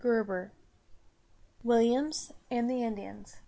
XXXIV. WILLIAMS AND THE INDIANS.